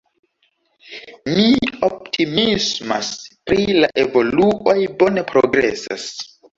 Mi optimismas pri la evoluoj, bone progresas.